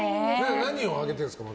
何を上げてるんですか？